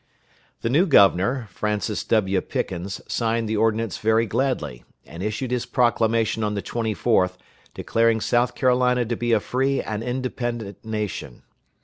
The new Governor, Francis W. Pickens, signed the ordinance very gladly, and issued his proclamation on the 24th declaring South Carolina to be a free and independent nation.